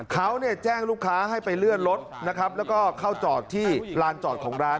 เขาเนี่ยแจ้งลูกค้าให้ไปเลื่อนรถนะครับแล้วก็เข้าจอดที่ลานจอดของร้าน